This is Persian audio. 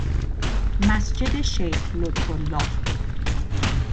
مسجد شیخ لطفالله